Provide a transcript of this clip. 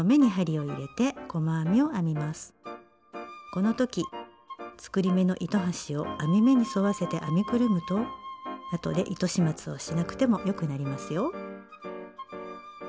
この時作り目の糸端を編み目に沿わせて編みくるむとあとで糸始末をしなくてもよくなりますよ。